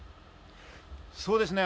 そうですね。